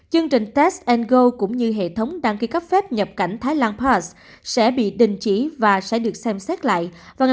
chương trình test and go cũng như hệ thống đăng ký cấp phép nhập cảnh thái lan pass sẽ bị đình chỉ và sẽ được xem xét lại vào ngày bốn một hai nghìn hai mươi hai